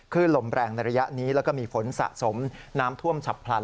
ลมแรงในระยะนี้แล้วก็มีฝนสะสมน้ำท่วมฉับพลัน